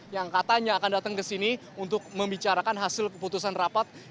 yang katanya akan datang ke sini untuk membicarakan hasil keputusan rapat